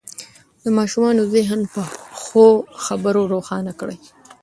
د ماشومانو ذهن په ښو خبرو روښانه کړئ.